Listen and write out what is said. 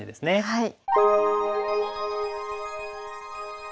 はい。